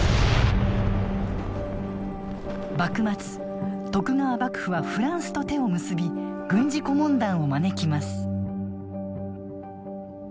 幕末徳川幕府はフランスと手を結び軍事顧問団を招きます。